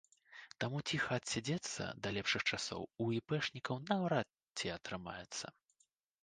Таму ціха адседзецца да лепшых часоў у іпэшнікаў наўрад ці атрымаецца.